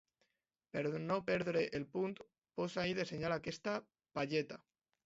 Per no perdre el punt, posa-hi de senyal aquesta palleta.